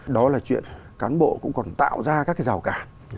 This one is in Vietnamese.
đó là chuyện cán bộ cũng còn tạo ra các cái rào cản